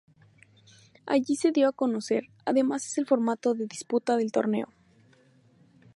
Allí se dio a conocer, además, el formato de disputa del torneo.